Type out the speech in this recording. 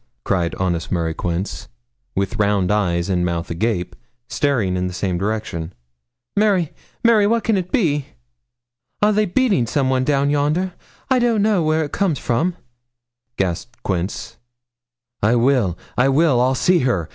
cried honest Mary Quince, with round eyes and mouth agape, staring in the same direction. 'Mary Mary, what can it be?' 'Are they beating some one down yonder? I don't know where it comes from,' gasped Quince. 'I will I will I'll see her.